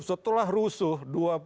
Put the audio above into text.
setelah rusuh dua puluh satu